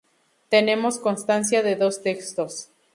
Tenemos constancia de dos textos.